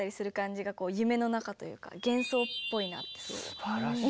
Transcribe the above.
すばらしいね。